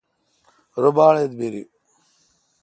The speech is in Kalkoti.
رو باڑ اعبیری۔